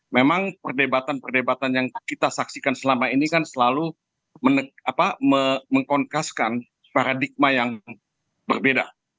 memang perdebatan perdebatan yang kita saksikan selama ini kan selalu mengkongkaskan paradigma yang berbeda